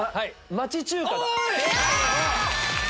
町中華だ！